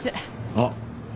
あっ。